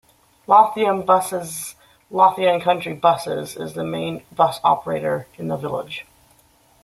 Lothian Buses's "Lothian Country Buses" is the main bus operator in the village.